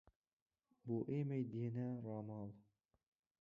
بۆ ئێمەی دێنا ڕاماڵ